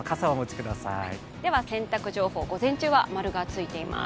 洗濯情報、午前中は○がついています。